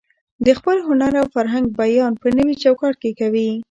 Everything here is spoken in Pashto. د خپل هنر او فرهنګ بیان په نوي چوکاټ کې کوي.